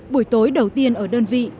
buổi tối đầu tiên ở đơn vị